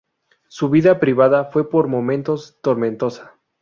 Su vida privada fue por momentos tormentosa.